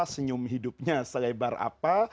senyum hidupnya selebar apa